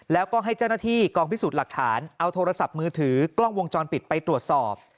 แล้วก็ให้เจ้าหน้าที่กองพิสูจน์หลักฐานเอาโทรศัพท์มือถือกล้องวงจรปิดไปตรวจสอบ